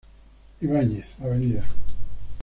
Ibáñez, Av.